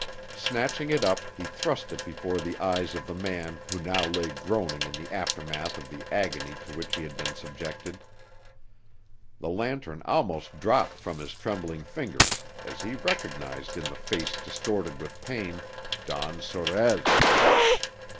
Snatching it up he thrust it before the eyes of the man who now lay groaning in the aftermath of the agony to which he had been subjected. The lantern almost dropped from his trembling fingers as he recognized in the face distorted with pain, Don Sorez.